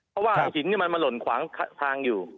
เพราะว่าหินมันมาหล่นขวางทางอยู่